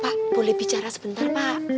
pak boleh bicara sebentar pak